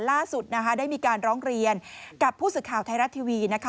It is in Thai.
ล่าสุดนะคะได้มีการร้องเรียนกับผู้สื่อข่าวไทยรัฐทีวีนะคะ